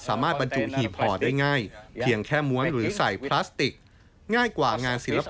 สามารถบรรจุหีบห่อได้ง่าย